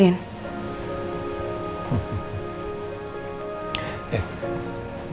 tapi kamu gak usah pikirin